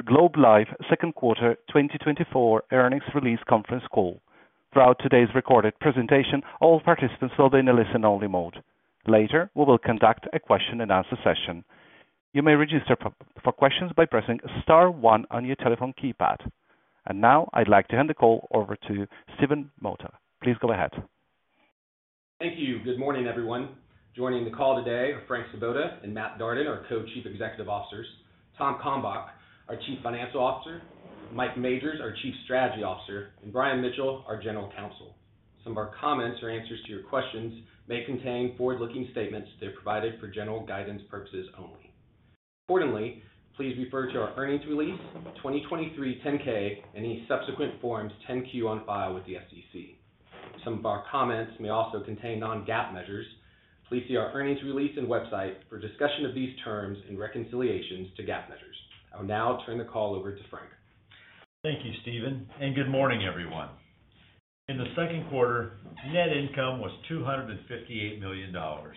At Globe Life, Second Quarter 2024 Earnings Release Conference Call. Throughout today's recorded presentation, all participants will be in a listen-only mode. Later, we will conduct a question-and-answer session. You may register for questions by pressing star one on your telephone keypad. And now, I'd like to hand the call over to Stephen Mota. Please go ahead. Thank you. Good morning, everyone. Joining the call today are Frank Svoboda and Matt Darden, our Co-Chief Executive Officers, Tom Kalmbach, our Chief Financial Officer, Mike Majors, our Chief Strategy Officer, and Brian Mitchell, our General Counsel. Some of our comments or answers to your questions may contain forward-looking statements. They're provided for general guidance purposes only. Importantly, please refer to our earnings release, 2023 Form 10-K, and any subsequent Forms 10-Q on file with the SEC. Some of our comments may also contain non-GAAP measures. Please see our earnings release and website for discussion of these terms and reconciliations to GAAP measures. I will now turn the call over to Frank. Thank you, Stephen, and good morning, everyone. In the second quarter, net income was $258 million, or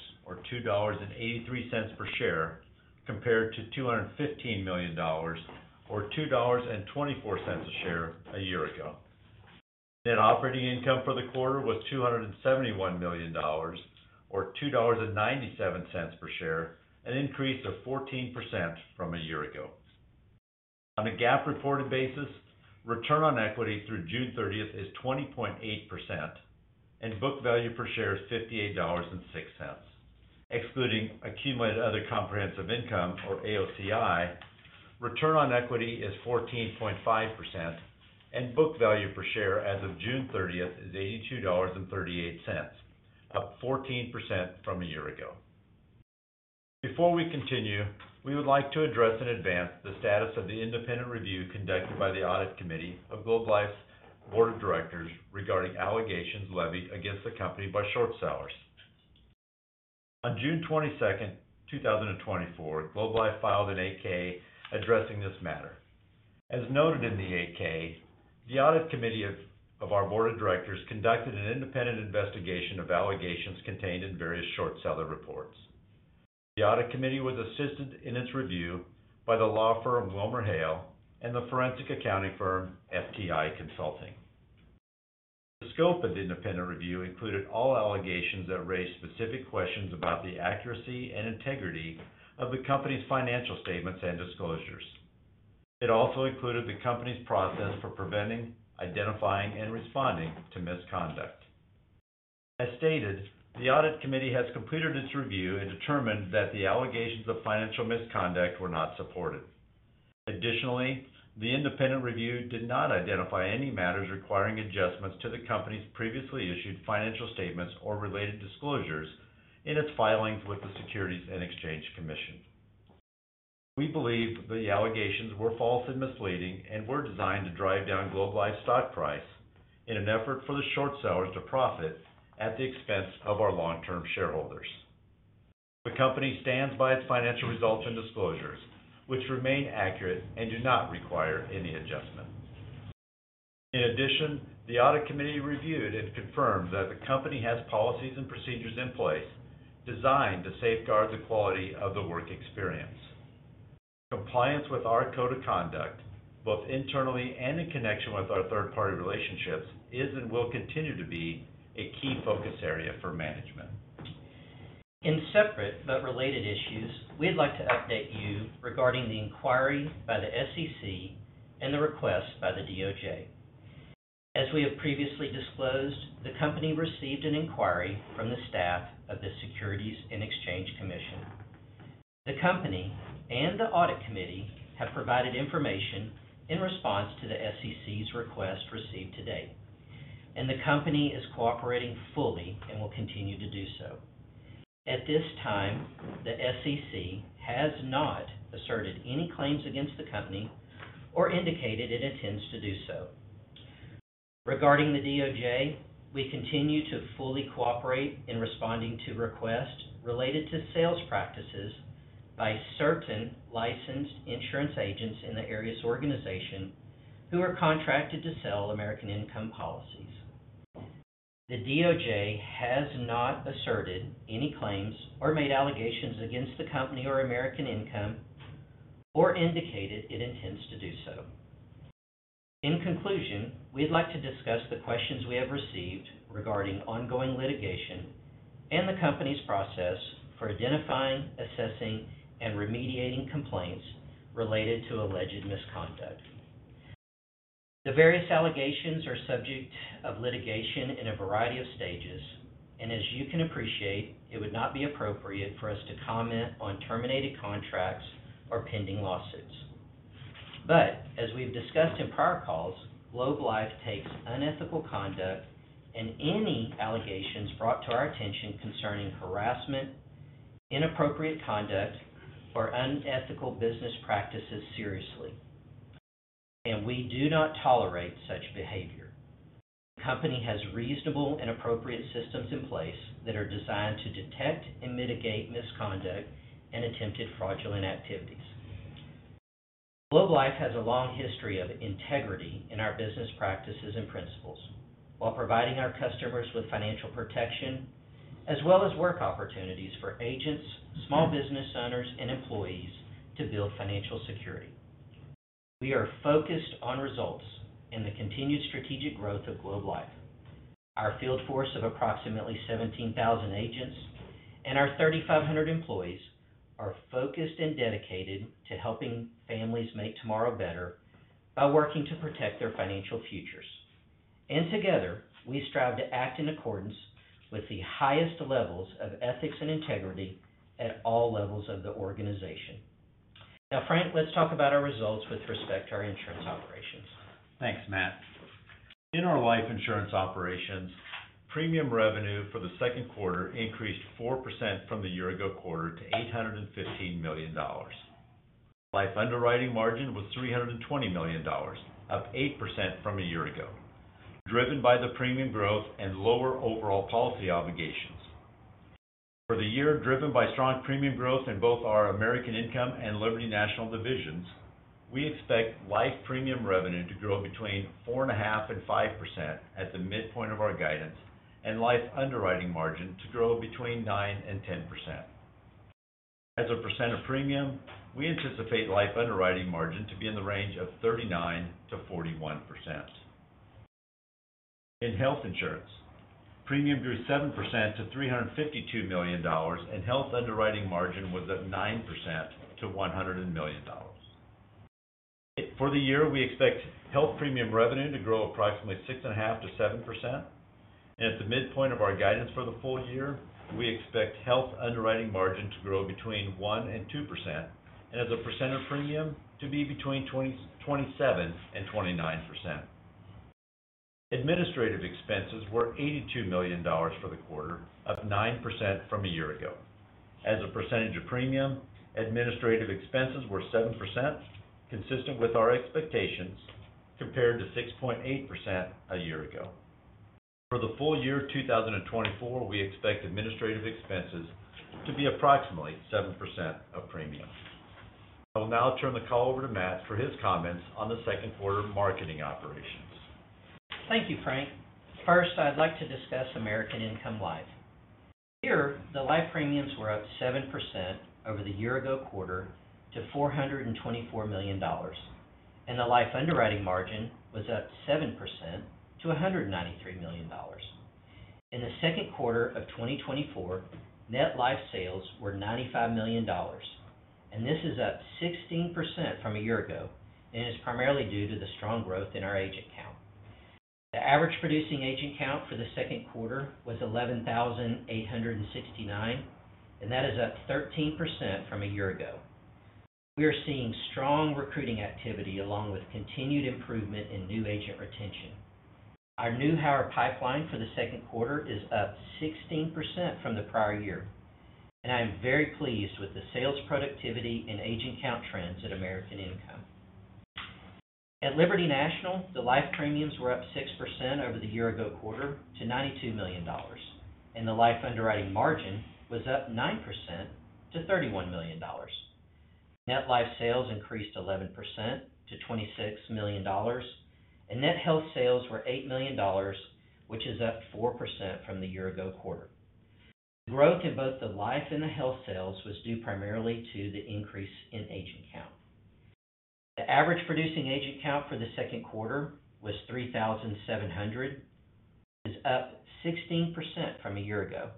$2.83 per share, compared to $215 million, or $2.24 a share a year ago. Net operating income for the quarter was $271 million, or $2.97 per share, an increase of 14% from a year ago. On a GAAP-reported basis, return on equity through June 30 is 20.8%, and book value per share is $58.06. Excluding accumulated other comprehensive income, or AOCI, return on equity is 14.5%, and book value per share as of June 30 is $82.38, up 14% from a year ago. Before we continue, we would like to address in advance the status of the independent review conducted by the audit committee of Globe Life's board of directors regarding allegations levied against the company by short sellers. On June 22, 2024, Globe Life filed an 8-K addressing this matter. As noted in the 8-K, the audit committee of our board of directors conducted an independent investigation of allegations contained in various short seller reports. The audit committee was assisted in its review by the law firm WilmerHale and the forensic accounting firm FTI Consulting. The scope of the independent review included all allegations that raised specific questions about the accuracy and integrity of the company's financial statements and disclosures. It also included the company's process for preventing, identifying, and responding to misconduct. As stated, the audit committee has completed its review and determined that the allegations of financial misconduct were not supported. Additionally, the independent review did not identify any matters requiring adjustments to the company's previously issued financial statements or related disclosures in its filings with the Securities and Exchange Commission. We believe the allegations were false and misleading and were designed to drive down Globe Life's stock price in an effort for the short sellers to profit at the expense of our long-term shareholders. The company stands by its financial results and disclosures, which remain accurate and do not require any adjustment. In addition, the audit committee reviewed and confirmed that the company has policies and procedures in place designed to safeguard the quality of the work experience. Compliance with our code of conduct, both internally and in connection with our third-party relationships, is and will continue to be a key focus area for management. In separate but related issues, we'd like to update you regarding the inquiry by the SEC and the request by the DOJ. As we have previously disclosed, the company received an inquiry from the staff of the Securities and Exchange Commission. The company and the audit committee have provided information in response to the SEC's request received today, and the company is cooperating fully and will continue to do so. At this time, the SEC has not asserted any claims against the company or indicated it intends to do so. Regarding the DOJ, we continue to fully cooperate in responding to requests related to sales practices by certain licensed insurance agents in the Arias Organization who are contracted to sell American Income policies. The DOJ has not asserted any claims or made allegations against the company or American Income or indicated it intends to do so. In conclusion, we'd like to discuss the questions we have received regarding ongoing litigation and the company's process for identifying, assessing, and remediating complaints related to alleged misconduct. The various allegations are subject to litigation in a variety of stages, and as you can appreciate, it would not be appropriate for us to comment on terminated contracts or pending lawsuits. But as we've discussed in prior calls, Globe Life takes unethical conduct and any allegations brought to our attention concerning harassment, inappropriate conduct, or unethical business practices seriously, and we do not tolerate such behavior. The company has reasonable and appropriate systems in place that are designed to detect and mitigate misconduct and attempted fraudulent activities. Globe Life has a long history of integrity in our business practices and principles while providing our customers with financial protection as well as work opportunities for agents, small business owners, and employees to build financial security. We are focused on results and the continued strategic growth of Globe Life. Our field force of approximately 17,000 agents and our 3,500 employees are focused and dedicated to helping families make tomorrow better by working to protect their financial futures. Together, we strive to act in accordance with the highest levels of ethics and integrity at all levels of the organization. Now, Frank, let's talk about our results with respect to our insurance operations. Thanks, Matt. In our life insurance operations, premium revenue for the second quarter increased 4% from the year-ago quarter to $815 million. Life underwriting margin was $320 million, up 8% from a year ago, driven by the premium growth and lower overall policy obligations. For the year driven by strong premium growth in both our American Income and Liberty National divisions, we expect life premium revenue to grow between 4.5% and 5% at the midpoint of our guidance, and life underwriting margin to grow between 9% and 10%. As a percent of premium, we anticipate life underwriting margin to be in the range of 39%-41%. In health insurance, premium grew 7% to $352 million, and health underwriting margin was at 9% to $100 million. For the year, we expect health premium revenue to grow approximately 6.5%-7%. At the midpoint of our guidance for the full year, we expect health underwriting margin to grow between 1% and 2%, and as a percent of premium, to be between 27% and 29%. Administrative expenses were $82 million for the quarter, up 9% from a year ago. As a percentage of premium, administrative expenses were 7%, consistent with our expectations, compared to 6.8% a year ago. For the full year 2024, we expect administrative expenses to be approximately 7% of premium. I will now turn the call over to Matt for his comments on the second quarter marketing operations. Thank you, Frank. First, I'd like to discuss American Income Life. Here, the life premiums were up 7% over the year-ago quarter to $424 million, and the life underwriting margin was up 7% to $193 million. In the second quarter of 2024, net life sales were $95 million, and this is up 16% from a year ago, and it is primarily due to the strong growth in our agent count. The average producing agent count for the second quarter was 11,869, and that is up 13% from a year ago. We are seeing strong recruiting activity along with continued improvement in new agent retention. Our new hire pipeline for the second quarter is up 16% from the prior year, and I am very pleased with the sales productivity and agent count trends at American Income Life. At Liberty National, the life premiums were up 6% over the year-ago quarter to $92 million, and the life underwriting margin was up 9% to $31 million. Net life sales increased 11% to $26 million, and net health sales were $8 million, which is up 4% from the year-ago quarter. The growth in both the life and the health sales was due primarily to the increase in agent count. The average producing agent count for the second quarter was 3,700, which is up 16% from a year ago.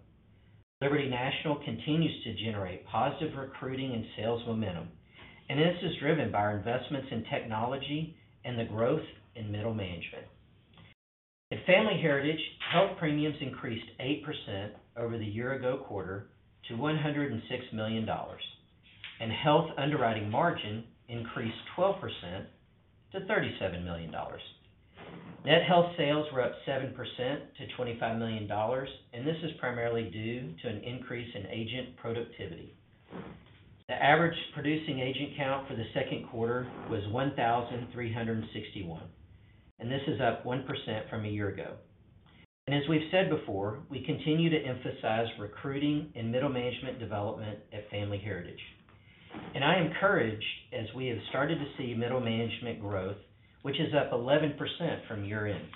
Liberty National continues to generate positive recruiting and sales momentum, and this is driven by our investments in technology and the growth in middle management. At Family Heritage, health premiums increased 8% over the year-ago quarter to $106 million, and health underwriting margin increased 12% to $37 million. Net health sales were up 7% to $25 million, and this is primarily due to an increase in agent productivity. The average producing agent count for the second quarter was 1,361, and this is up 1% from a year ago. As we've said before, we continue to emphasize recruiting and middle management development at Family Heritage. I encourage, as we have started to see middle management growth, which is up 11% from year-end.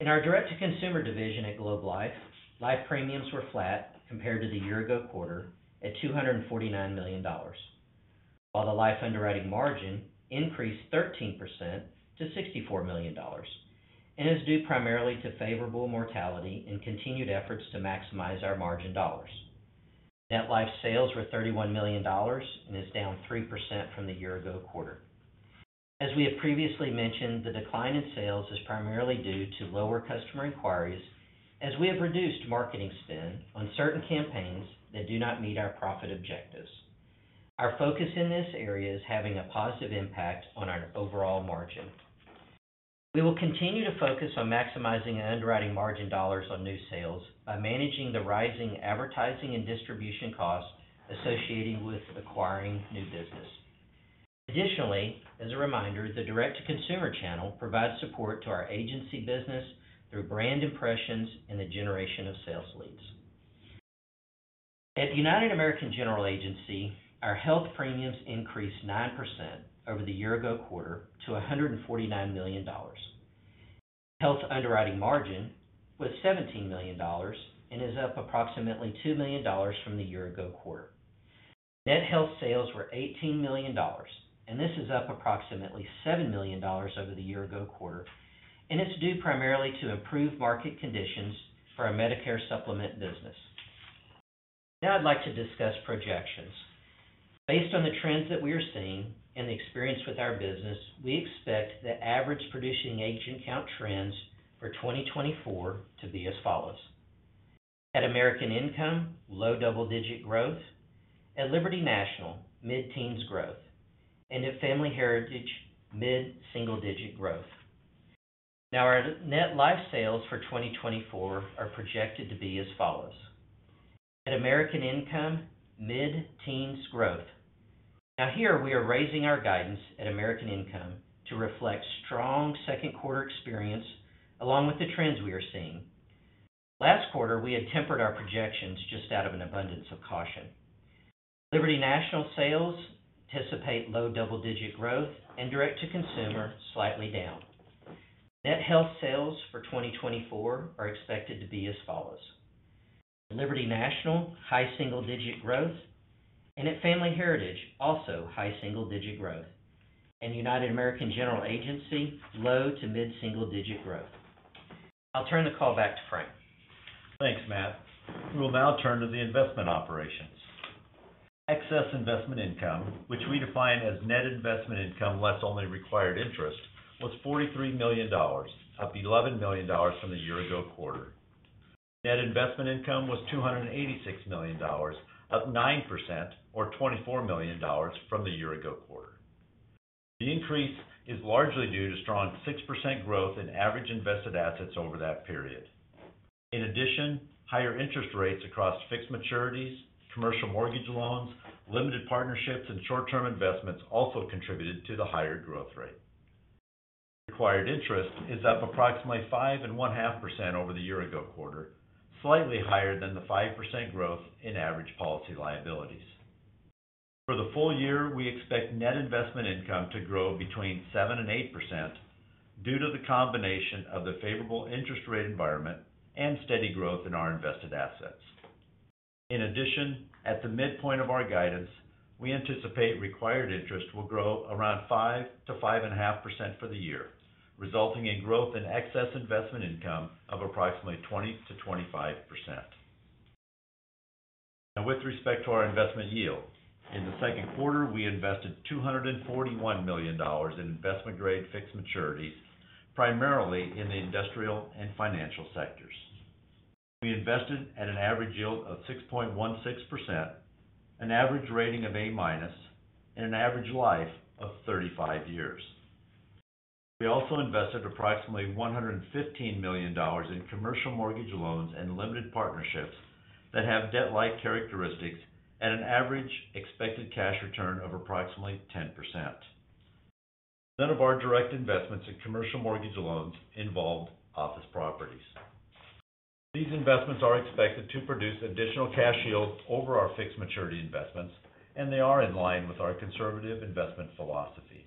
In our Direct to Consumer division at Globe Life, life premiums were flat compared to the year-ago quarter at $249 million, while the life underwriting margin increased 13% to $64 million, and is due primarily to favorable mortality and continued efforts to maximize our margin dollars. Net life sales were $31 million and is down 3% from the year-ago quarter. As we have previously mentioned, the decline in sales is primarily due to lower customer inquiries as we have reduced marketing spend on certain campaigns that do not meet our profit objectives. Our focus in this area is having a positive impact on our overall margin. We will continue to focus on maximizing underwriting margin dollars on new sales by managing the rising advertising and distribution costs associated with acquiring new business. Additionally, as a reminder, the direct-to-consumer channel provides support to our agency business through brand impressions and the generation of sales leads. At United American General Agency, our health premiums increased 9% over the year-ago quarter to $149 million. Health underwriting margin was $17 million and is up approximately $2 million from the year-ago quarter. Net health sales were $18 million, and this is up approximately $7 million over the year-ago quarter, and it's due primarily to improved market conditions for our Medicare Supplement business. Now, I'd like to discuss projections. Based on the trends that we are seeing and the experience with our business, we expect the average producing agent count trends for 2024 to be as follows. At American Income, low double-digit growth. At Liberty National, mid-teens growth. And at Family Heritage, mid-single-digit growth. Now, our net life sales for 2024 are projected to be as follows. At American Income, mid-teens growth. Now, here we are raising our guidance at American Income to reflect strong second quarter experience along with the trends we are seeing. Last quarter, we had tempered our projections just out of an abundance of caution. Liberty National sales anticipate low double-digit growth and direct-to-consumer slightly down. Net health sales for 2024 are expected to be as follows. At Liberty National, high single-digit growth. At Family Heritage, also high single-digit growth. United American General Agency, low to mid-single-digit growth. I'll turn the call back to Frank. Thanks, Matt. We'll now turn to the investment operations. Excess investment income, which we define as net investment income less only required interest, was $43 million, up $11 million from the year-ago quarter. Net investment income was $286 million, up 9% or $24 million from the year-ago quarter. The increase is largely due to strong 6% growth in average invested assets over that period. In addition, higher interest rates across fixed maturities, commercial mortgage loans, limited partnerships, and short-term investments also contributed to the higher growth rate. Required interest is up approximately 5.5% over the year-ago quarter, slightly higher than the 5% growth in average policy liabilities. For the full year, we expect net investment income to grow between 7% and 8% due to the combination of the favorable interest rate environment and steady growth in our invested assets. In addition, at the midpoint of our guidance, we anticipate required interest will grow around 5%-5.5% for the year, resulting in growth in excess investment income of approximately 20%-25%. Now, with respect to our investment yield, in the second quarter, we invested $241 million in investment-grade fixed maturities, primarily in the industrial and financial sectors. We invested at an average yield of 6.16%, an average rating of A-minus, and an average life of 35 years. We also invested approximately $115 million in commercial mortgage loans and limited partnerships that have debt-like characteristics at an average expected cash return of approximately 10%. None of our direct investments in commercial mortgage loans involved office properties. These investments are expected to produce additional cash yield over our fixed maturity investments, and they are in line with our conservative investment philosophy.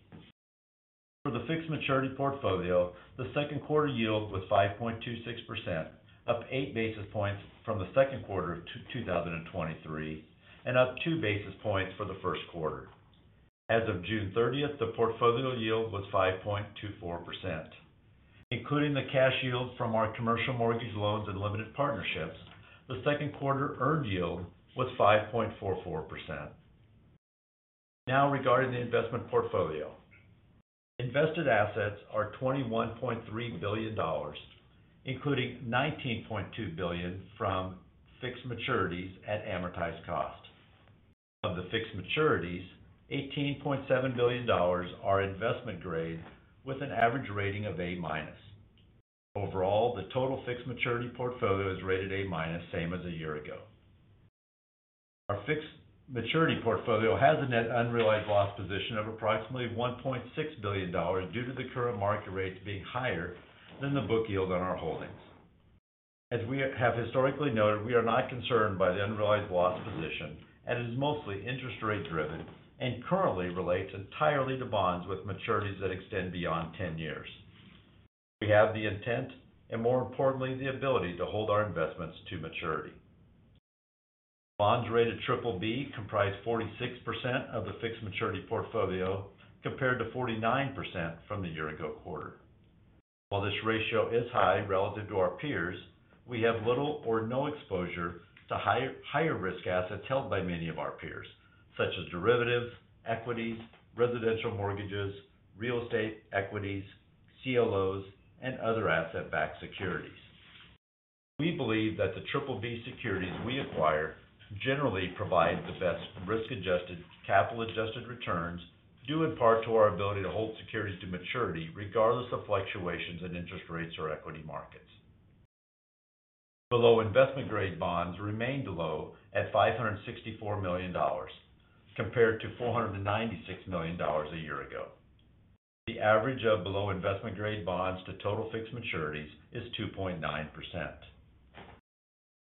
For the fixed maturity portfolio, the second quarter yield was 5.26%, up 8 basis points from the second quarter of 2023, and up 2 basis points for the first quarter. As of June 30th, the portfolio yield was 5.24%. Including the cash yield from our commercial mortgage loans and limited partnerships, the second quarter earned yield was 5.44%. Now, regarding the investment portfolio, invested assets are $21.3 billion, including $19.2 billion from fixed maturities at amortized cost. Of the fixed maturities, $18.7 billion are investment-grade with an average rating of A-minus. Overall, the total fixed maturity portfolio is rated A-minus, same as a year ago. Our fixed maturity portfolio has a net unrealized loss position of approximately $1.6 billion due to the current market rates being higher than the book yield on our holdings. As we have historically noted, we are not concerned by the unrealized loss position, as it is mostly interest rate-driven and currently relates entirely to bonds with maturities that extend beyond 10 years. We have the intent and, more importantly, the ability to hold our investments to maturity. Bonds rated BBB comprise 46% of the fixed maturity portfolio compared to 49% from the year-ago quarter. While this ratio is high relative to our peers, we have little or no exposure to higher risk assets held by many of our peers, such as derivatives, equities, residential mortgages, real estate equities, CLOs, and other asset-backed securities. We believe that the BBB securities we acquire generally provide the best risk-adjusted, capital-adjusted returns due in part to our ability to hold securities to maturity regardless of fluctuations in interest rates or equity markets. Below investment-grade bonds remained low at $564 million compared to $496 million a year ago. The average of below investment-grade bonds to total fixed maturities is 2.9%.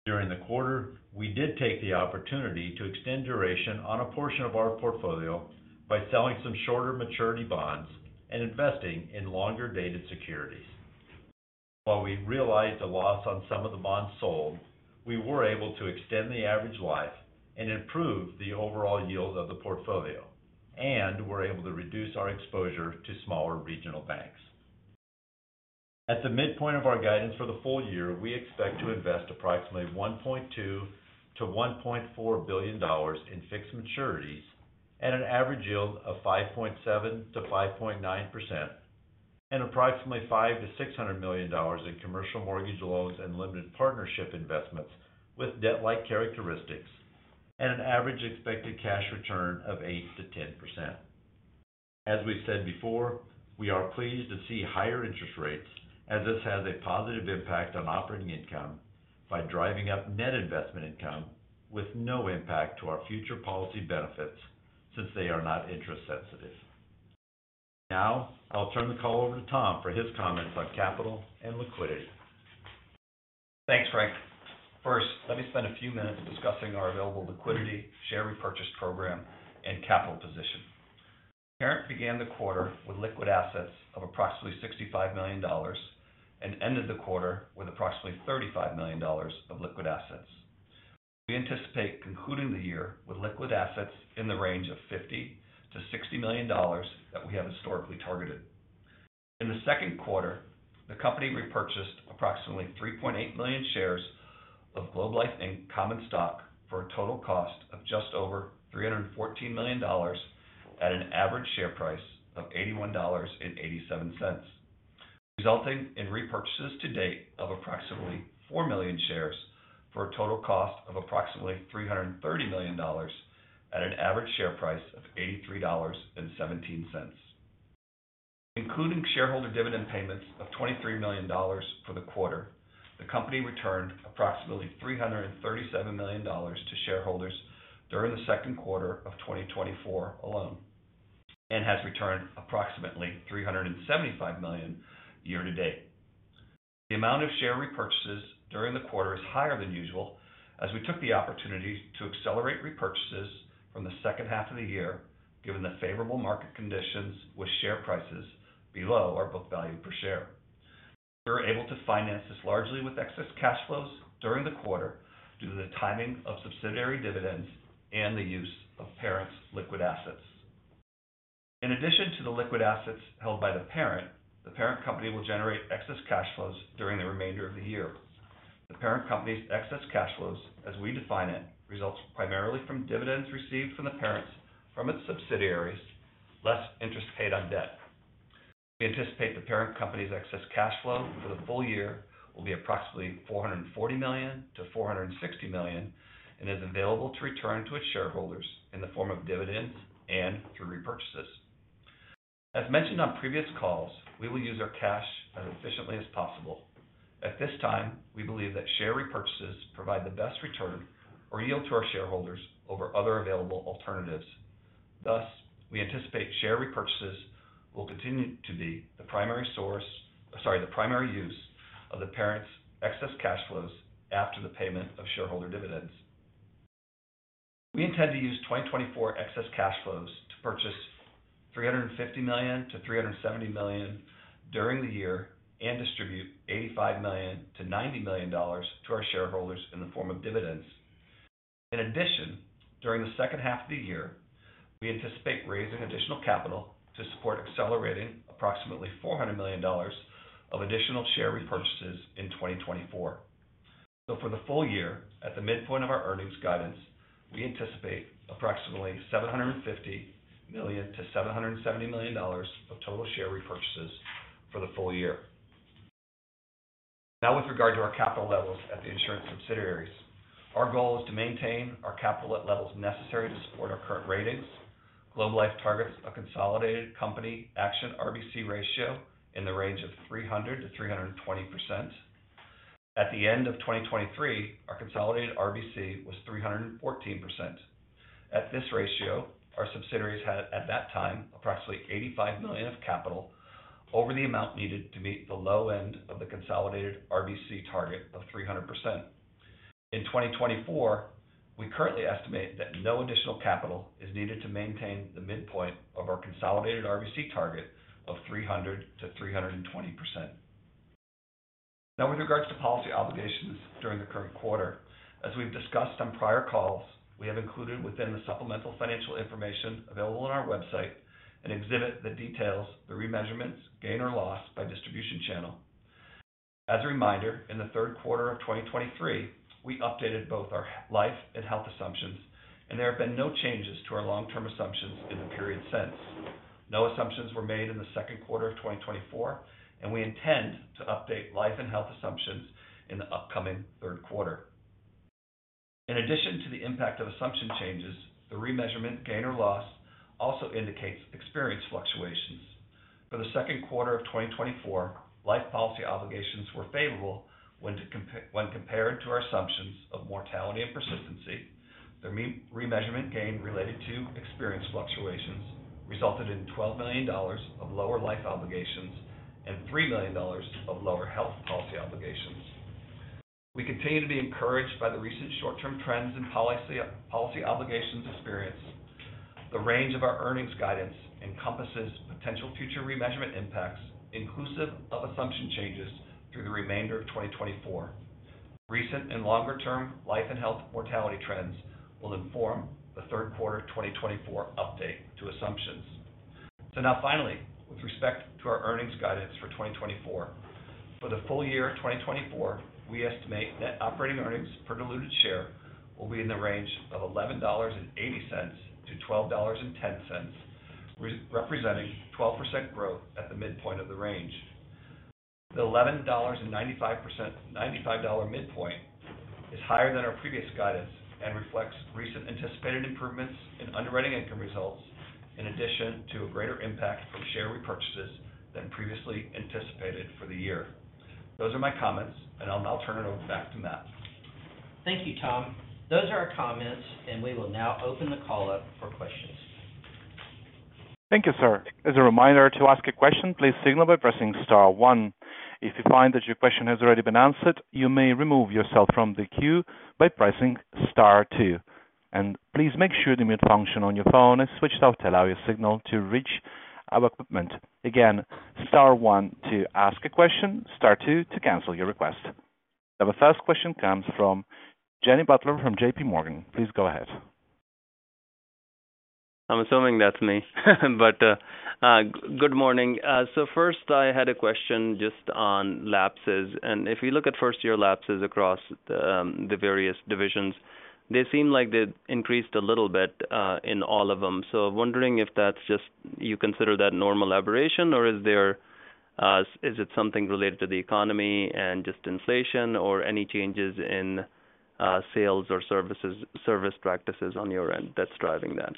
During the quarter, we did take the opportunity to extend duration on a portion of our portfolio by selling some shorter maturity bonds and investing in longer-dated securities. While we realized a loss on some of the bonds sold, we were able to extend the average life and improve the overall yield of the portfolio and were able to reduce our exposure to smaller regional banks. At the midpoint of our guidance for the full year, we expect to invest approximately $1.2-$1.4 billion in fixed maturities at an average yield of 5.7%-5.9% and approximately $500-$600 million in commercial mortgage loans and limited partnership investments with debt-like characteristics at an average expected cash return of 8%-10%. As we've said before, we are pleased to see higher interest rates as this has a positive impact on operating income by driving up net investment income with no impact to our future policy benefits since they are not interest-sensitive. Now, I'll turn the call over to Tom for his comments on capital and liquidity. Thanks, Frank. First, let me spend a few minutes discussing our available liquidity, share repurchase program, and capital position. Parent began the quarter with liquid assets of approximately $65 million and ended the quarter with approximately $35 million of liquid assets. We anticipate concluding the year with liquid assets in the range of $50 million-$60 million that we have historically targeted. In the second quarter, the company repurchased approximately 3.8 million shares of Globe Life Inc. common stock for a total cost of just over $314 million at an average share price of $81.87, resulting in repurchases to date of approximately 4 million shares for a total cost of approximately $330 million at an average share price of $83.17. Including shareholder dividend payments of $23 million for the quarter, the company returned approximately $337 million to shareholders during the second quarter of 2024 alone and has returned approximately $375 million year-to-date. The amount of share repurchases during the quarter is higher than usual as we took the opportunity to accelerate repurchases from the second half of the year given the favorable market conditions with share prices below our book value per share. We were able to finance this largely with excess cash flows during the quarter due to the timing of subsidiary dividends and the use of parent's liquid assets. In addition to the liquid assets held by the parent, the parent company will generate excess cash flows during the remainder of the year. The parent company's excess cash flows, as we define it, results primarily from dividends received from the parents from its subsidiaries, less interest paid on debt. We anticipate the parent company's excess cash flow for the full year will be approximately $440 million-$460 million and is available to return to its shareholders in the form of dividends and through repurchases. As mentioned on previous calls, we will use our cash as efficiently as possible. At this time, we believe that share repurchases provide the best return or yield to our shareholders over other available alternatives. Thus, we anticipate share repurchases will continue to be the primary use of the parent's excess cash flows after the payment of shareholder dividends. We intend to use 2024 excess cash flows to purchase $350 million-$370 million during the year and distribute $85 million-$90 million to our shareholders in the form of dividends. In addition, during the second half of the year, we anticipate raising additional capital to support accelerating approximately $400 million of additional share repurchases in 2024. So for the full year, at the midpoint of our earnings guidance, we anticipate approximately $750 million-$770 million of total share repurchases for the full year. Now, with regard to our capital levels at the insurance subsidiaries, our goal is to maintain our capital at levels necessary to support our current ratings. Globe Life targets a consolidated company Action RBC ratio in the range of 300%-320%. At the end of 2023, our consolidated RBC was 314%. At this ratio, our subsidiaries had at that time approximately $85 million of capital over the amount needed to meet the low end of the consolidated RBC target of 300%. In 2024, we currently estimate that no additional capital is needed to maintain the midpoint of our consolidated RBC target of 300%-320%. Now, with regards to policy obligations during the current quarter, as we've discussed on prior calls, we have included within the supplemental financial information available on our website an exhibit that details the remeasurements gain or loss by distribution channel. As a reminder, in the third quarter of 2023, we updated both our life and health assumptions, and there have been no changes to our long-term assumptions in the period since. No assumptions were made in the second quarter of 2024, and we intend to update life and health assumptions in the upcoming third quarter. In addition to the impact of assumption changes, the remeasurement gain or loss also indicates experienced fluctuations. For the second quarter of 2024, life policy obligations were favorable when compared to our assumptions of mortality and persistency. The remeasurement gain related to experienced fluctuations resulted in $12 million of lower life obligations and $3 million of lower health policy obligations. We continue to be encouraged by the recent short-term trends in policy obligations experience. The range of our earnings guidance encompasses potential future remeasurement impacts inclusive of assumption changes through the remainder of 2024. Recent and longer-term life and health mortality trends will inform the third quarter 2024 update to assumptions. So now, finally, with respect to our earnings guidance for 2024, for the full year 2024, we estimate net operating earnings per diluted share will be in the range of $11.80-$12.10, representing 12% growth at the midpoint of the range. The $11.95 midpoint is higher than our previous guidance and reflects recent anticipated improvements in underwriting income results in addition to a greater impact from share repurchases than previously anticipated for the year. Those are my comments, and I'll now turn it over back to Matt. Thank you, Tom. Those are our comments, and we will now open the call up for questions. Thank you, sir. As a reminder, to ask a question, please signal by pressing star one. If you find that your question has already been answered, you may remove yourself from the queue by pressing star two. And please make sure the mute function on your phone is switched off to allow your signal to reach our equipment. Again, star one to ask a question, star two to cancel your request. Now, the first question comes from Jimmy Bhullar from J.P. Morgan. Please go ahead. I'm assuming that's me. But good morning. So first, I had a question just on lapses. And if you look at first-year lapses across the various divisions, they seem like they've increased a little bit in all of them. So, wondering if that's just you consider that normal aberration, or is it something related to the economy and just inflation or any changes in sales or service practices on your end that's driving that?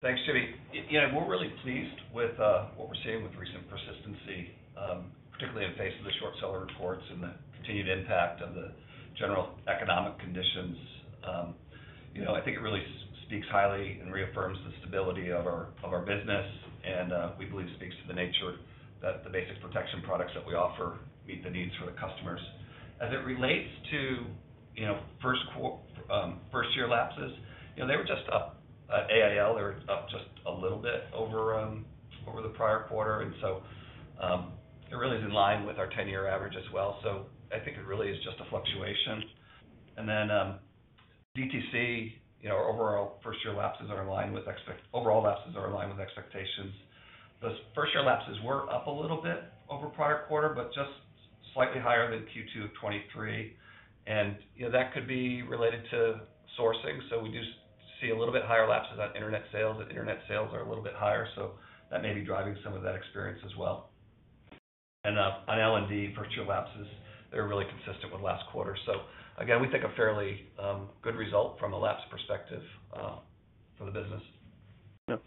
Thanks, Jimmy. We're really pleased with what we're seeing with recent persistency, particularly in the face of the short seller reports and the continued impact of the general economic conditions. I think it really speaks highly and reaffirms the stability of our business, and we believe it speaks to the nature that the basic protection products that we offer meet the needs for the customers. As it relates to first-year lapses, they were just up at AIL. They were up just a little bit over the prior quarter. And so it really is in line with our 10-year average as well. So I think it really is just a fluctuation. And then DTC, our overall first-year lapses are in line with overall lapses are in line with expectations. Those first-year lapses were up a little bit over prior quarter, but just slightly higher than Q2 of 2023. And that could be related to sourcing. So we do see a little bit higher lapses on internet sales, and internet sales are a little bit higher. So that may be driving some of that experience as well. And on LNL, first-year lapses, they were really consistent with last quarter. So again, we think a fairly good result from a lapse perspective for the business. Yep.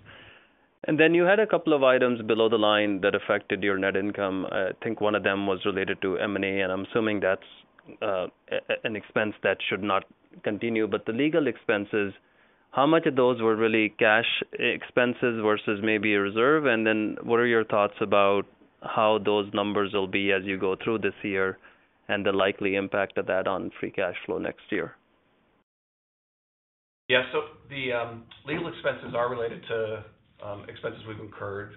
And then you had a couple of items below the line that affected your net income. I think one of them was related to M&A, and I'm assuming that's an expense that should not continue. But the legal expenses, how much of those were really cash expenses versus maybe a reserve? And then what are your thoughts about how those numbers will be as you go through this year and the likely impact of that on free cash flow next year? Yeah. So the legal expenses are related to expenses we've incurred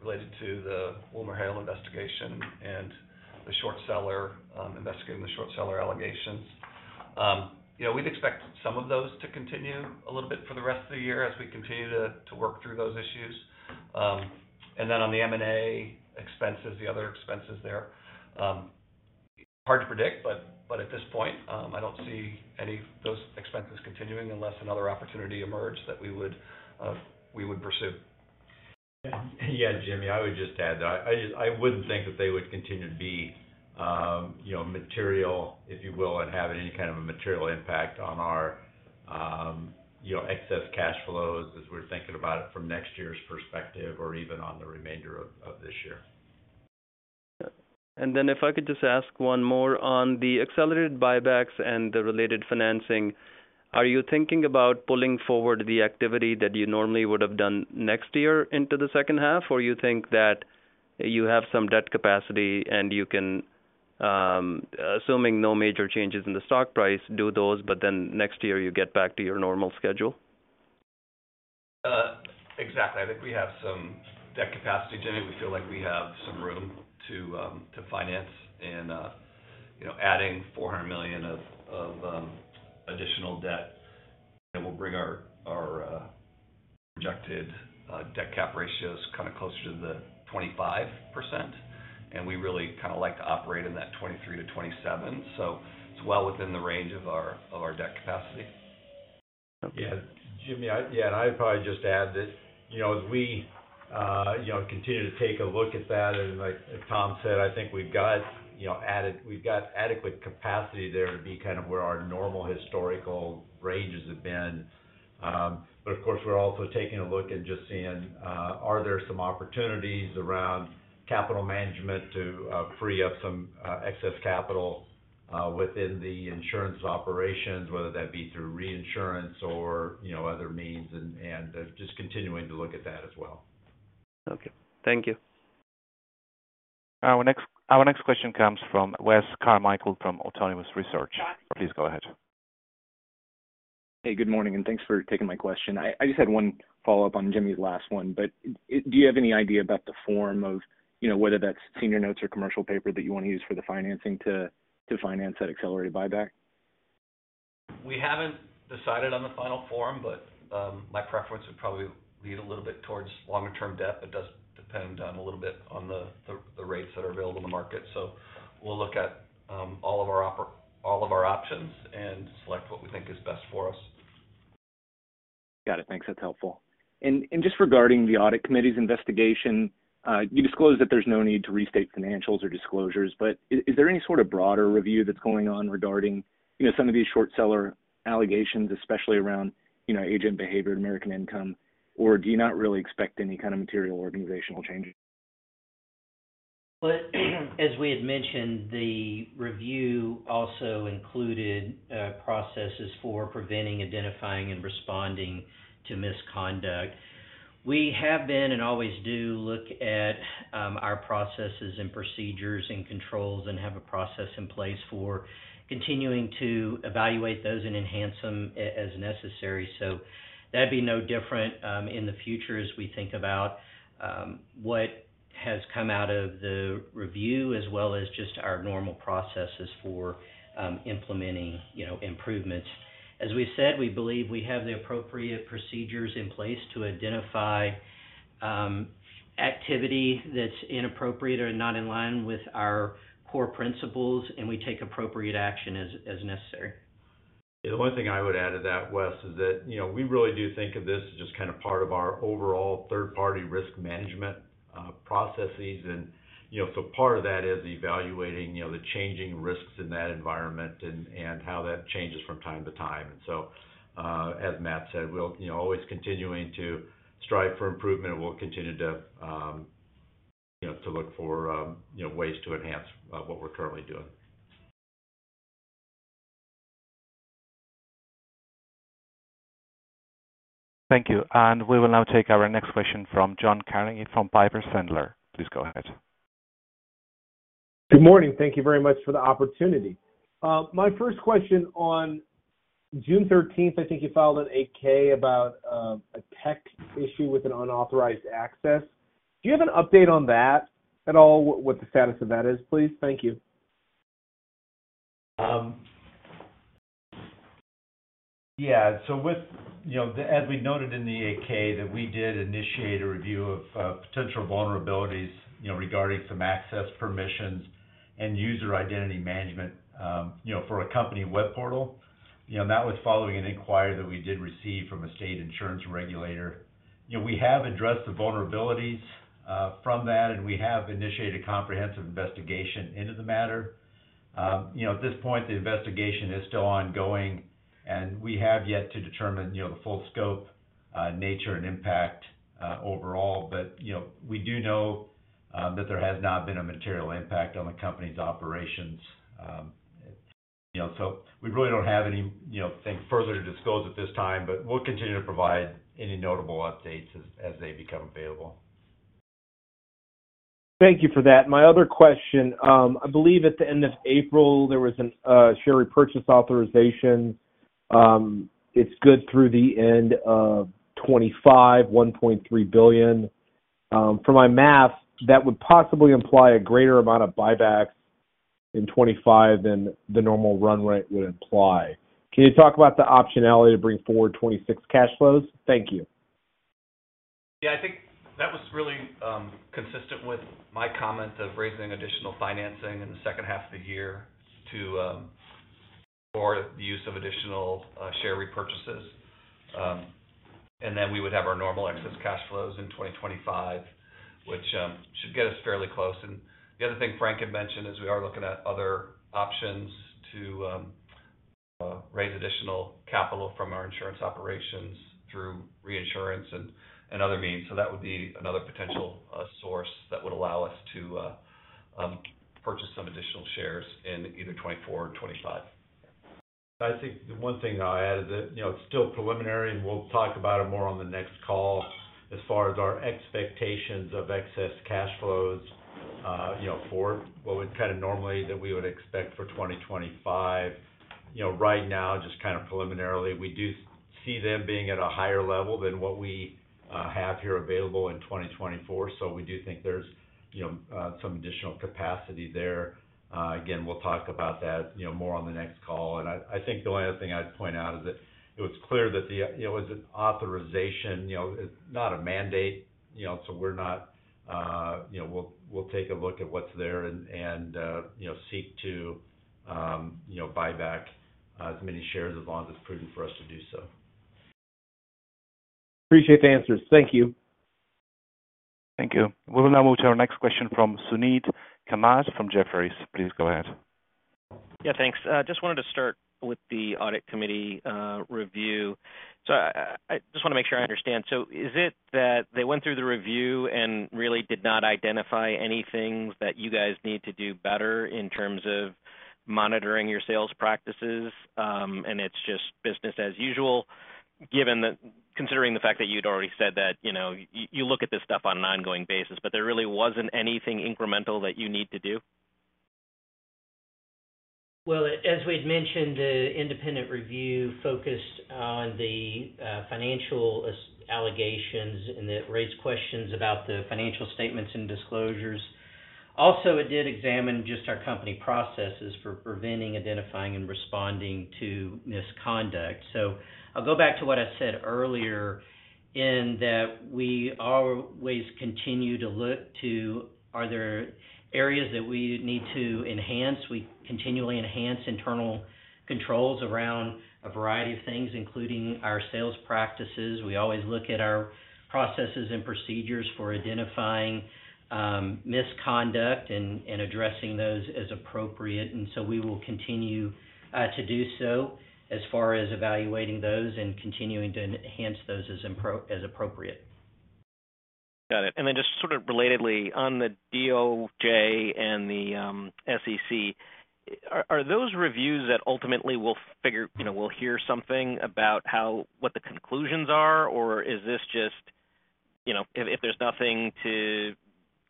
related to the WilmerHale investigation and the short seller investigating the short seller allegations. We'd expect some of those to continue a little bit for the rest of the year as we continue to work through those issues. And then on the M&A expenses, the other expenses there, hard to predict, but at this point, I don't see any of those expenses continuing unless another opportunity emerged that we would pursue. Yeah, Jimmy, I would just add that I wouldn't think that they would continue to be material, if you will, and have any kind of a material impact on our excess cash flows as we're thinking about it from next year's perspective or even on the remainder of this year. If I could just ask one more on the accelerated buybacks and the related financing, are you thinking about pulling forward the activity that you normally would have done next year into the second half, or you think that you have some debt capacity and you can, assuming no major changes in the stock price, do those, but then next year you get back to your normal schedule? Exactly. I think we have some debt capacity, Jimmy. We feel like we have some room to finance. And adding $400 million of additional debt, it will bring our projected debt cap ratios kind of closer to the 25%. And we really kind of like to operate in that 23%-27%. So it's well within the range of our debt capacity. Yeah, Jimmy, yeah, and I'd probably just add that as we continue to take a look at that, and like Tom said, I think we've got adequate capacity there to be kind of where our normal historical ranges have been. But of course, we're also taking a look and just seeing, are there some opportunities around capital management to free up some excess capital within the insurance operations, whether that be through reinsurance or other means, and just continuing to look at that as well. Okay. Thank you. Our next question comes from Wes Carmichael from Autonomous Research. Please go ahead. Hey, good morning, and thanks for taking my question. I just had one follow-up on Jimmy's last one, but do you have any idea about the form of whether that's senior notes or commercial paper that you want to use for the financing to finance that accelerated buyback? We haven't decided on the final form, but my preference would probably lean a little bit towards longer-term debt. It does depend a little bit on the rates that are available in the market. So we'll look at all of our options and select what we think is best for us. Got it. Thanks. That's helpful. And just regarding the audit committee's investigation, you disclosed that there's no need to restate financials or disclosures, but is there any sort of broader review that's going on regarding some of these short seller allegations, especially around agent behavior and American Income, or do you not really expect any kind of material organizational changes? Well, as we had mentioned, the review also included processes for preventing, identifying, and responding to misconduct. We have been and always do look at our processes and procedures and controls and have a process in place for continuing to evaluate those and enhance them as necessary. That'd be no different in the future as we think about what has come out of the review as well as just our normal processes for implementing improvements. As we said, we believe we have the appropriate procedures in place to identify activity that's inappropriate or not in line with our core principles, and we take appropriate action as necessary. Yeah. The one thing I would add to that, Wes, is that we really do think of this as just kind of part of our overall third-party risk management processes. So part of that is evaluating the changing risks in that environment and how that changes from time to time. So, as Matt said, we'll always continue to strive for improvement, and we'll continue to look for ways to enhance what we're currently doing. Thank you. We will now take our next question from John Barnidge from Piper Sandler. Please go ahead. Good morning. Thank you very much for the opportunity. My first question on June 13th, I think you filed an 8-K about a tech issue with an unauthorized access. Do you have an update on that at all, what the status of that is, please? Thank you. Yeah. So as we noted in the 8-K, that we did initiate a review of potential vulnerabilities regarding some access permissions and user identity management for a company web portal. And that was following an inquiry that we did receive from a state insurance regulator. We have addressed the vulnerabilities from that, and we have initiated a comprehensive investigation into the matter. At this point, the investigation is still ongoing, and we have yet to determine the full scope, nature, and impact overall. But we do know that there has not been a material impact on the company's operations. So we really don't have anything further to disclose at this time, but we'll continue to provide any notable updates as they become available. Thank you for that. My other question, I believe at the end of April, there was a share repurchase authorization. It's good through the end of 2025, $1.3 billion. From my math, that would possibly imply a greater amount of buybacks in 2025 than the normal run rate would imply. Can you talk about the optionality to bring forward 2026 cash flows? Thank you. Yeah. I think that was really consistent with my comment of raising additional financing in the second half of the year for the use of additional share repurchases. And then we would have our normal excess cash flows in 2025, which should get us fairly close. And the other thing Frank had mentioned is we are looking at other options to raise additional capital from our insurance operations through reinsurance and other means. So that would be another potential source that would allow us to purchase some additional shares in either 2024 or 2025. I think the one thing I'll add is that it's still preliminary, and we'll talk about it more on the next call as far as our expectations of excess cash flows for what would kind of normally that we would expect for 2025. Right now, just kind of preliminarily, we do see them being at a higher level than what we have here available in 2024. So we do think there's some additional capacity there. Again, we'll talk about that more on the next call. And I think the only other thing I'd point out is that it was clear that it was an authorization, not a mandate. So we're not. We'll take a look at what's there and seek to buy back as many shares as long as it's prudent for us to do so. Appreciate the answers. Thank you. Thank you. We will now move to our next question from Suneet Kamath from Jefferies. Please go ahead. Yeah, thanks. Just wanted to start with the audit committee review. So I just want to make sure I understand. So is it that they went through the review and really did not identify any things that you guys need to do better in terms of monitoring your sales practices? And it's just business as usual, given that considering the fact that you'd already said that you look at this stuff on an ongoing basis, but there really wasn't anything incremental that you need to do? Well, as we'd mentioned, the independent review focused on the financial allegations and that raised questions about the financial statements and disclosures. Also, it did examine just our company processes for preventing, identifying, and responding to misconduct. So I'll go back to what I said earlier in that we always continue to look to are there areas that we need to enhance. We continually enhance internal controls around a variety of things, including our sales practices. We always look at our processes and procedures for identifying misconduct and addressing those as appropriate. And so we will continue to do so as far as evaluating those and continuing to enhance those as appropriate. Got it. And then just sort of relatedly, on the DOJ and the SEC, are those reviews that ultimately we'll hear something about what the conclusions are, or is this just if there's nothing to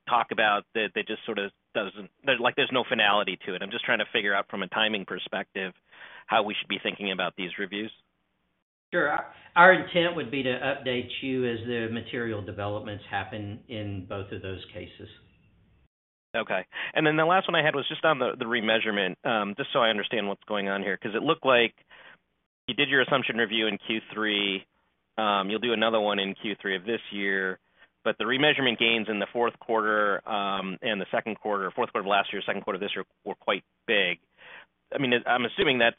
talk about, that it just sort of doesn't, there's no finality to it? I'm just trying to figure out from a timing perspective how we should be thinking about these reviews. Sure. Our intent would be to update you as the material developments happen in both of those cases. Okay. And then the last one I had was just on the remeasurement, just so I understand what's going on here, because it looked like you did your assumption review in Q3. You'll do another one in Q3 of this year. But the remeasurement gains in the fourth quarter and the second quarter, fourth quarter of last year, second quarter of this year were quite big. I mean, I'm assuming that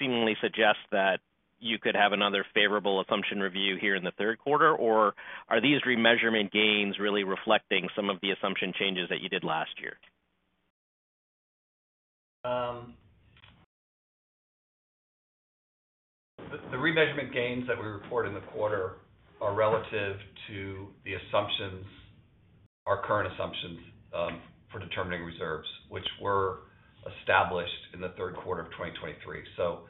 seemingly suggests that you could have another favorable assumption review here in the third quarter, or are these remeasurement gains really reflecting some of the assumption changes that you did last year? The remeasurement gains that we report in the quarter are relative to the assumptions, our current assumptions for determining reserves, which were established in the third quarter of 2023. So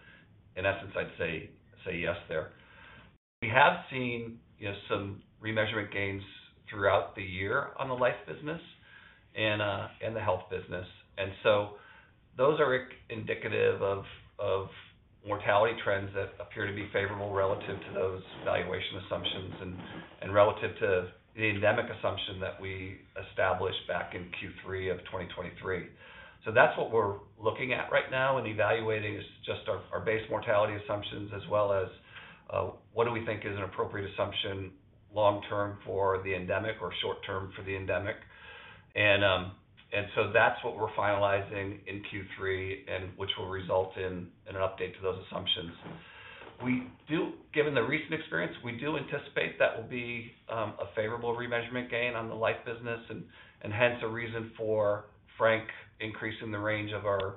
in essence, I'd say yes there. We have seen some remeasurement gains throughout the year on the life business and the health business. And so those are indicative of mortality trends that appear to be favorable relative to those valuation assumptions and relative to the endemic assumption that we established back in Q3 of 2023. So that's what we're looking at right now and evaluating is just our base mortality assumptions as well as what do we think is an appropriate assumption long-term for the endemic or short-term for the endemic. And so that's what we're finalizing in Q3, which will result in an update to those assumptions. Given the recent experience, we do anticipate that will be a favorable remeasurement gain on the life business and hence a reason for Frank increasing the range of our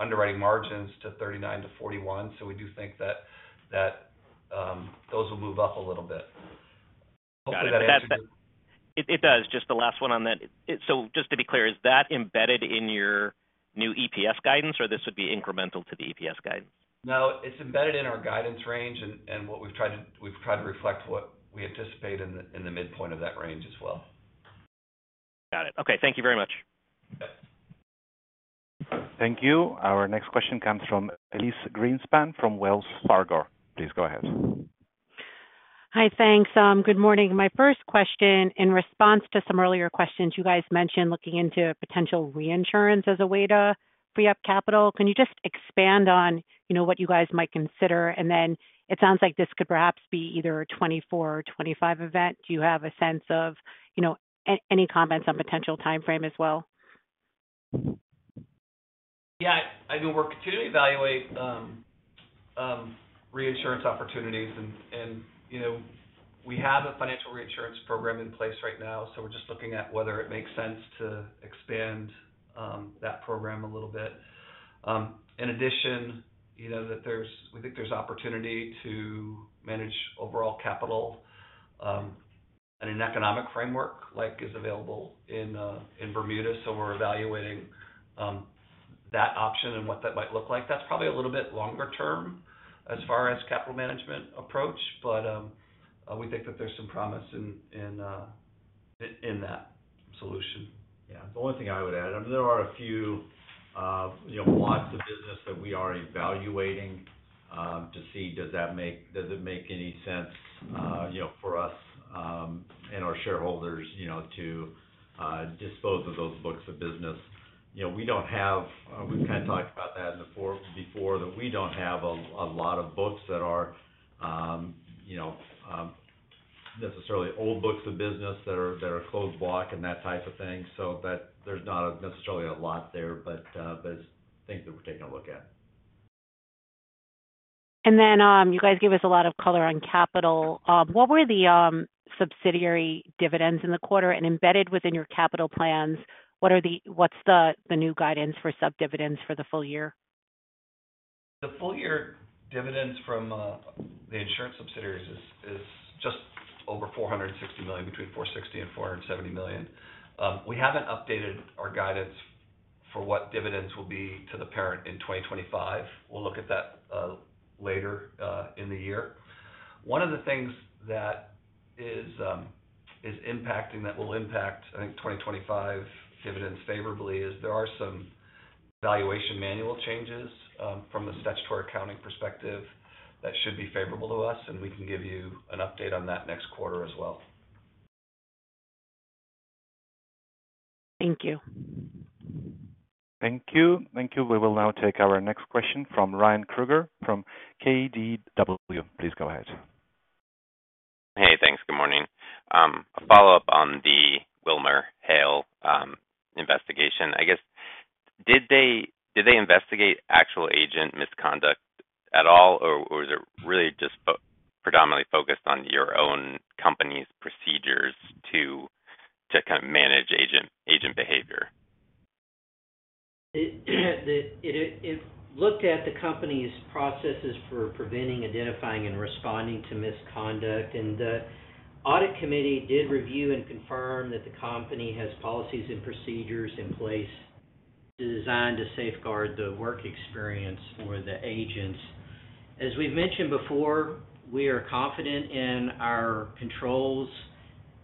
underwriting margins to 39%-41%. So we do think that those will move up a little bit. Hopefully, that answers your. It does. Just the last one on that. So just to be clear, is that embedded in your new EPS guidance, or this would be incremental to the EPS guidance? No, it's embedded in our guidance range and what we've tried to reflect what we anticipate in the midpoint of that range as well. Got it. Okay. Thank you very much. Thank you. Our next question comes from Elyse Greenspan from Wells Fargo. Please go ahead. Hi, thanks. Good morning. My first question, in response to some earlier questions you guys mentioned looking into potential reinsurance as a way to free up capital, can you just expand on what you guys might consider? And then it sounds like this could perhaps be either a 2024 or 2025 event. Do you have a sense of any comments on potential timeframe as well? Yeah. I mean, we're continuing to evaluate reinsurance opportunities, and we have a financial reinsurance program in place right now. So we're just looking at whether it makes sense to expand that program a little bit. In addition, we think there's opportunity to manage overall capital in an economic framework like is available in Bermuda. So we're evaluating that option and what that might look like. That's probably a little bit longer term as far as capital management approach, but we think that there's some promise in that solution. Yeah. The only thing I would add, I mean, there are a few blocks of business that we are evaluating to see does it make any sense for us and our shareholders to dispose of those books of business. We don't have—we've kind of talked about that before—that we don't have a lot of books that are necessarily old books of business that are closed block and that type of thing. So there's not necessarily a lot there, but it's things that we're taking a look at. And then you guys gave us a lot of color on capital. What were the subsidiary dividends in the quarter? And embedded within your capital plans, what's the new guidance for subdividends for the full year? The full year dividends from the insurance subsidiaries is just over $460 million, between $460 million and $470 million. We haven't updated our guidance for what dividends will be to the parent in 2025. We'll look at that later in the year. One of the things that is impacting that will impact, I think, 2025 dividends favorably is there are some valuation manual changes from the statutory accounting perspective that should be favorable to us, and we can give you an update on that next quarter as well. Thank you. Thank you. Thank you. We will now take our next question from Ryan Kruger from KBW. Please go ahead. Hey, thanks. Good morning. A follow-up on the WilmerHale investigation. I guess, did they investigate actual agent misconduct at all, or was it really just predominantly focused on your own company's procedures to kind of manage agent behavior? It looked at the company's processes for preventing, identifying, and responding to misconduct. The audit committee did review and confirm that the company has policies and procedures in place designed to safeguard the work experience for the agents. As we've mentioned before, we are confident in our controls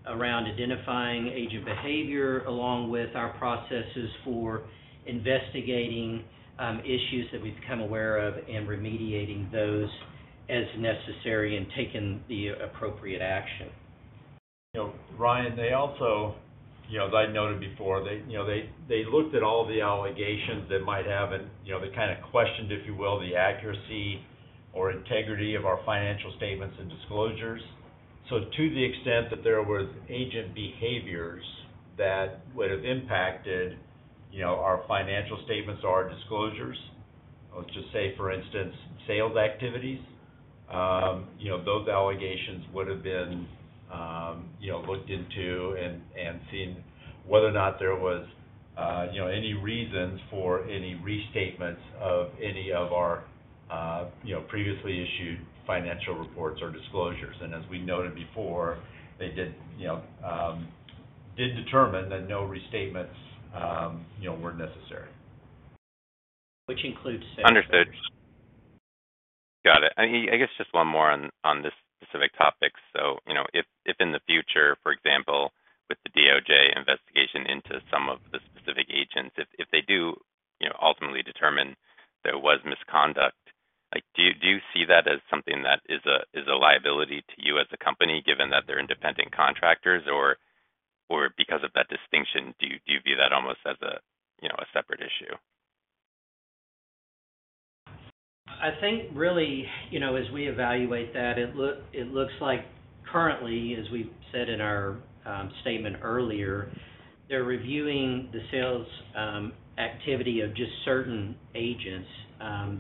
around identifying agent behavior along with our processes for investigating issues that we've become aware of and remediating those as necessary and taking the appropriate action. Ryan, they also, as I noted before, they looked at all the allegations that might have and they kind of questioned, if you will, the accuracy or integrity of our financial statements and disclosures. So to the extent that there were agent behaviors that would have impacted our financial statements or our disclosures, let's just say, for instance, sales activities, those allegations would have been looked into and seen whether or not there was any reasons for any restatements of any of our previously issued financial reports or disclosures. And as we noted before, they did determine that no restatements were necessary. Which includes sales. Understood. Got it. I guess just one more on this specific topic. So if in the future, for example, with the DOJ investigation into some of the specific agents, if they do ultimately determine there was misconduct, do you see that as something that is a liability to you as a company, given that they're independent contractors? Or because of that distinction, do you view that almost as a separate issue? I think really, as we evaluate that, it looks like currently, as we said in our statement earlier, they're reviewing the sales activity of just certain agents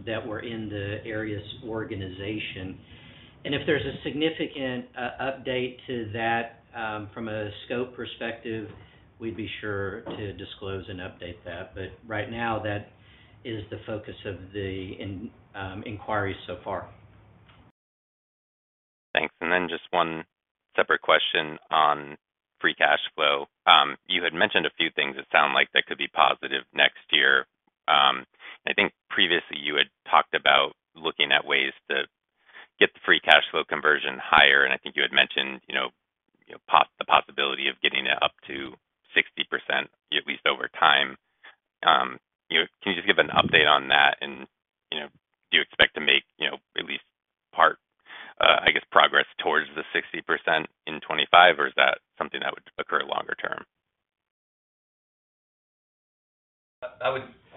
that were in the Arias organization. And if there's a significant update to that from a scope perspective, we'd be sure to disclose and update that. But right now, that is the focus of the inquiry so far. Thanks. Then just one separate question on free cash flow. You had mentioned a few things, it sounds like, that could be positive next year. I think previously you had talked about looking at ways to get the free cash flow conversion higher. And I think you had mentioned the possibility of getting it up to 60%, at least over time. Can you just give an update on that? And do you expect to make at least part, I guess, progress towards the 60% in 2025, or is that something that would occur longer term?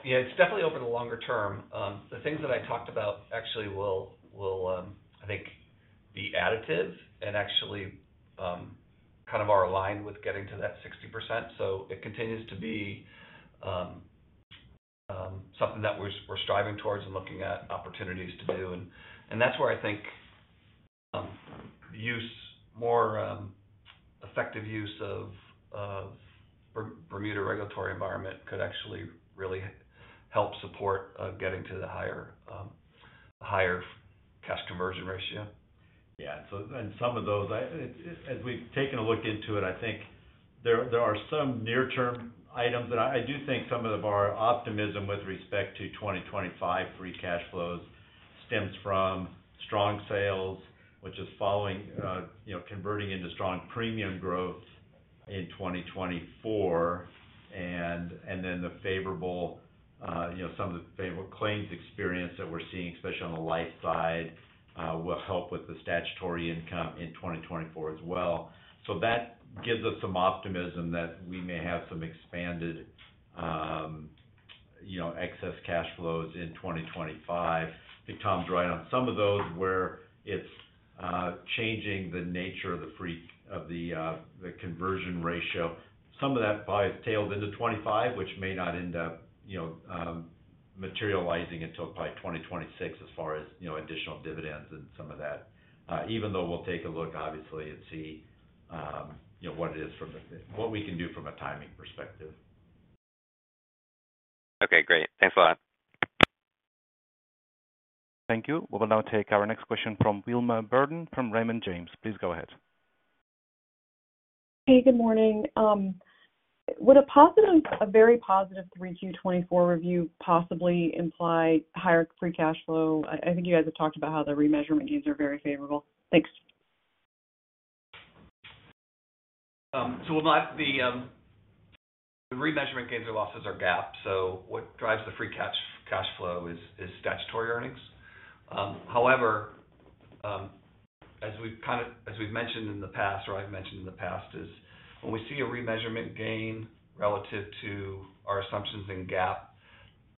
Yeah, it's definitely over the longer term. The things that I talked about actually will, I think, be additive and actually kind of are aligned with getting to that 60%. So it continues to be something that we're striving towards and looking at opportunities to do. And that's where I think more effective use of Bermuda regulatory environment could actually really help support getting to the higher cash conversion ratio. Yeah. And some of those, as we've taken a look into it, I think there are some near-term items. And I do think some of our optimism with respect to 2025 free cash flows stems from strong sales, which is following converting into strong premium growth in 2024. And then the favorable, some of the favorable claims experience that we're seeing, especially on the life side, will help with the statutory income in 2024 as well. So that gives us some optimism that we may have some expanded excess cash flows in 2025. I think Tom's right on some of those where it's changing the nature of the conversion ratio. Some of that probably is tailed into 2025, which may not end up materializing until probably 2026 as far as additional dividends and some of that, even though we'll take a look, obviously, and see what it is from what we can do from a timing perspective. Okay. Great. Thanks a lot. Thank you. We will now take our next question from Wilma Burdis from Raymond James. Please go ahead. Hey, good morning. Would a very positive 3Q24 review possibly imply higher free cash flow? I think you guys have talked about how the remeasurement gains are very favorable. Thanks. So the remeasurement gains or losses are GAAP. So what drives the free cash flow is statutory earnings. However, as we've mentioned in the past, or I've mentioned in the past, is when we see a remeasurement gain relative to our assumptions and GAAP,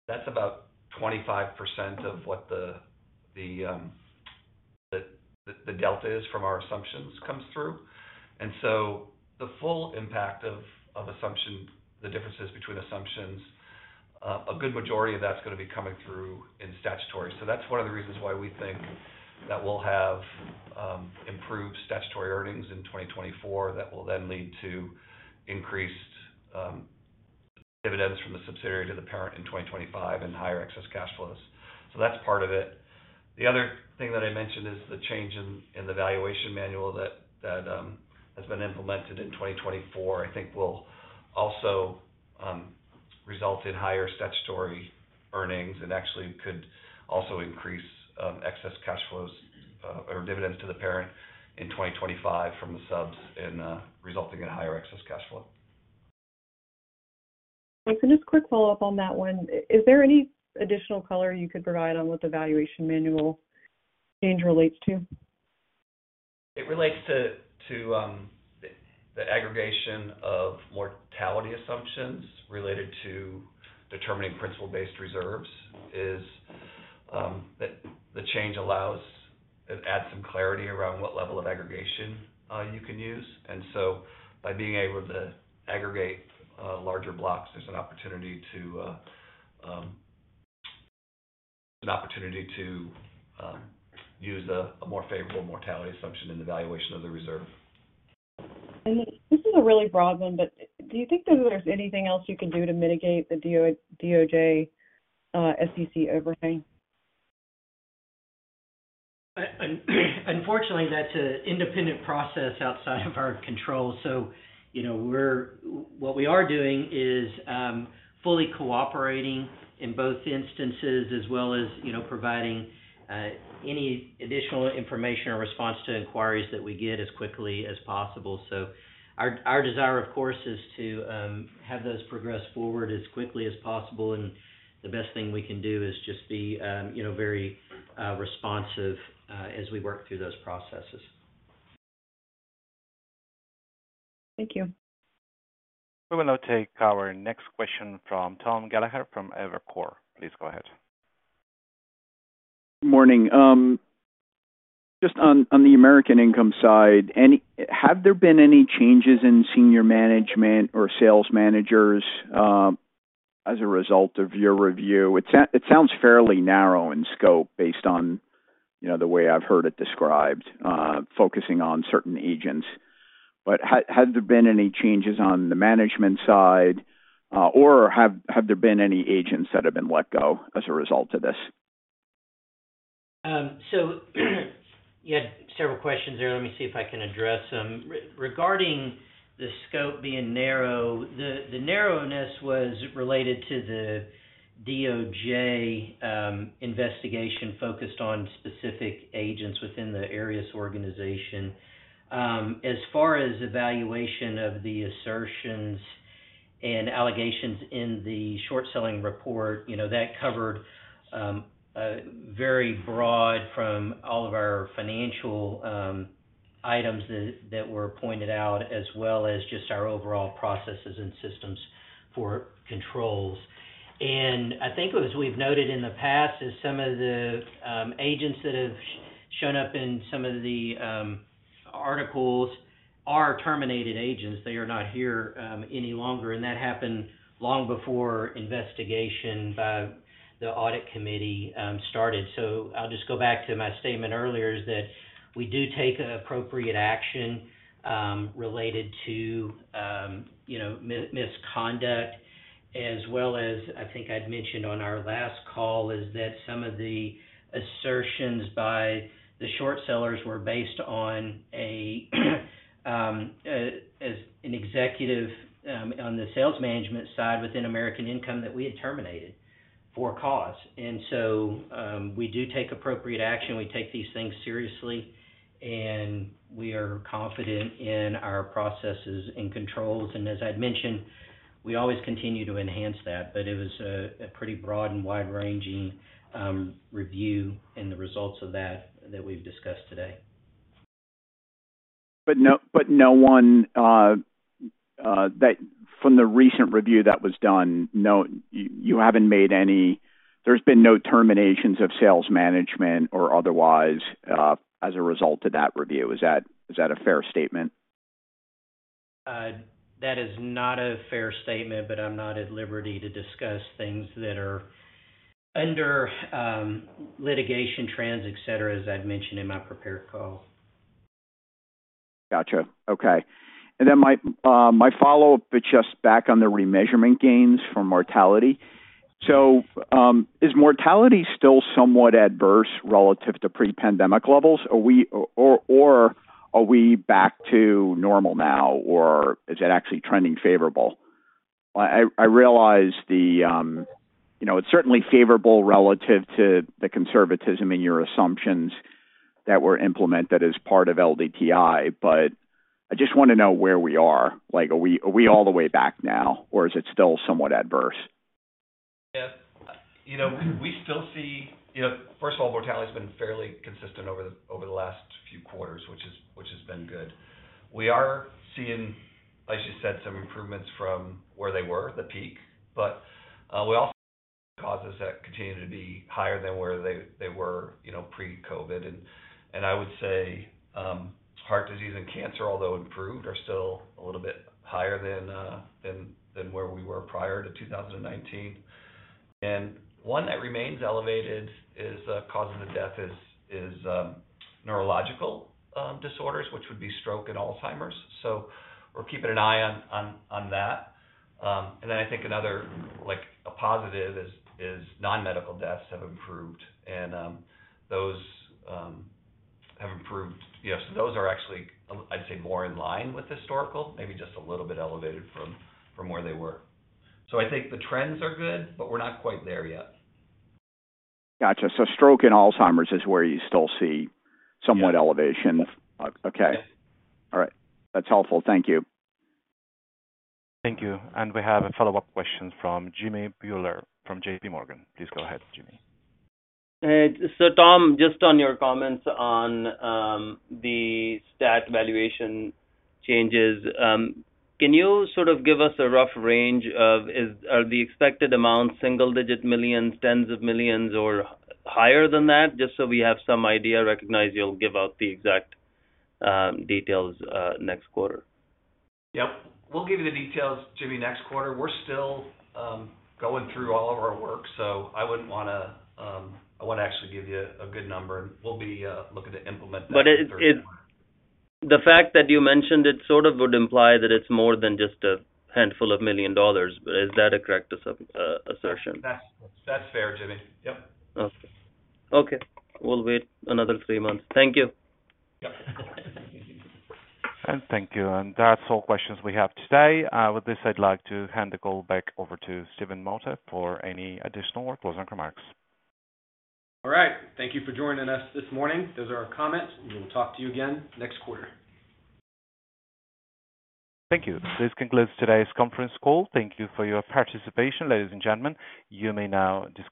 that's about 25% of what the delta is from our assumptions comes through. And so the full impact of the differences between assumptions, a good majority of that's going to be coming through in statutory. So that's one of the reasons why we think that we'll have improved statutory earnings in 2024 that will then lead to increased dividends from the subsidiary to the parent in 2025 and higher excess cash flows. So that's part of it. The other thing that I mentioned is the change in the valuation manual that has been implemented in 2024, I think, will also result in higher statutory earnings and actually could also increase excess cash flows or dividends to the parent in 2025 from the subs and resulting in higher excess cash flow. And just a quick follow-up on that one. Is there any additional color you could provide on what the valuation manual change relates to? It relates to the aggregation of mortality assumptions related to determining principle-based reserves, is that the change allows, it adds some clarity around what level of aggregation you can use. And so by being able to aggregate larger blocks, there's an opportunity to use a more favorable mortality assumption in the valuation of the reserve. This is a really broad one, but do you think that there's anything else you can do to mitigate the DOJ SEC overhang? Unfortunately, that's an independent process outside of our control. So what we are doing is fully cooperating in both instances as well as providing any additional information or response to inquiries that we get as quickly as possible. So our desire, of course, is to have those progress forward as quickly as possible. And the best thing we can do is just be very responsive as we work through those processes. Thank you. We will now take our next question from Tom Gallagher from Evercore. Please go ahead. Good morning. Just on the American Income side, have there been any changes in senior management or sales managers as a result of your review? It sounds fairly narrow in scope based on the way I've heard it described, focusing on certain agents. But have there been any changes on the management side, or have there been any agents that have been let go as a result of this? So you had several questions there. Let me see if I can address them. Regarding the scope being narrow, the narrowness was related to the DOJ investigation focused on specific agents within the Arias organization. As far as evaluation of the assertions and allegations in the short-selling report, that covered very broad from all of our financial items that were pointed out as well as just our overall processes and systems for controls. And I think as we've noted in the past, some of the agents that have shown up in some of the articles are terminated agents. They are not here any longer. And that happened long before investigation by the audit committee started. So I'll just go back to my statement earlier is that we do take appropriate action related to misconduct, as well as, I think I'd mentioned on our last call, is that some of the assertions by the short sellers were based on an executive on the sales management side within American Income that we had terminated for cause. And so we do take appropriate action. We take these things seriously, and we are confident in our processes and controls. And as I'd mentioned, we always continue to enhance that. But it was a pretty broad and wide-ranging review and the results of that that we've discussed today. But no one from the recent review that was done, there's been no terminations of sales management or otherwise as a result of that review. Is that a fair statement? That is not a fair statement, but I'm not at liberty to discuss things that are under litigation trends, etc., as I've mentioned in my prepared call. Gotcha. Okay. And then my follow-up, just back on the remeasurement gains for mortality. So is mortality still somewhat adverse relative to pre-pandemic levels, or are we back to normal now, or is it actually trending favorable? I realize it's certainly favorable relative to the conservatism in your assumptions that were implemented as part of LDTI, but I just want to know where we are. Are we all the way back now, or is it still somewhat adverse? Yeah. We still see, first of all, mortality has been fairly consistent over the last few quarters, which has been good. We are seeing, as you said, some improvements from where they were, the peak. But we also have causes that continue to be higher than where they were pre-COVID. And I would say heart disease and cancer, although improved, are still a little bit higher than where we were prior to 2019. And one that remains elevated is causes of death is neurological disorders, which would be stroke and Alzheimer's. So we're keeping an eye on that. And then I think another positive is non-medical deaths have improved. And those have improved. So those are actually, I'd say, more in line with historical, maybe just a little bit elevated from where they were. So I think the trends are good, but we're not quite there yet. Gotcha. So stroke and Alzheimer's is where you still see somewhat elevation. Okay. All right. That's helpful. Thank you. Thank you. We have a follow-up question from Jimmy Bhullar from J.P. Morgan. Please go ahead, Jimmy. So Tom, just on your comments on the stat valuation changes, can you sort of give us a rough range of are the expected amounts $single-digit millions, $tens of millions, or higher than that? Just so we have some idea. Recognize you'll give out the exact details next quarter. Yep. We'll give you the details, Jimmy, next quarter. We're still going through all of our work, so I wouldn't want to, I want to actually give you a good number, and we'll be looking to implement that. But the fact that you mentioned it sort of would imply that it's more than just a handful of million dollars. Is that a correct assertion? That's fair, Jimmy. Yep. Okay. We'll wait another three months. Thank you. Yep. Thank you. That's all questions we have today. With this, I'd like to hand the call back over to Stephen Mota for any additional work. Closing remarks. All right. Thank you for joining us this morning. Those are our comments. We will talk to you again next quarter. Thank you. This concludes today's conference call. Thank you for your participation, ladies and gentlemen. You may now disconnect.